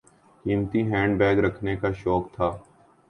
قیمتی handbag رکھنے کا شوق تھا۔